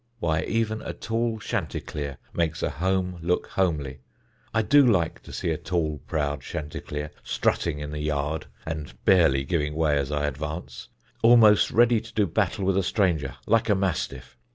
Why, even a tall chanticleer makes a home look homely. I do like to see a tall proud chanticleer strutting in the yard and barely giving way as I advance, almost ready to do battle with a stranger like a mastiff.